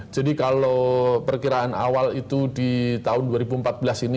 jadi kalau perkiraan awal itu di tahun dua ribu empat belas ini